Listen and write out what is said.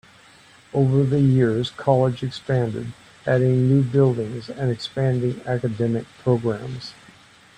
Over the years the college expanded, adding new buildings and expanding academic programs.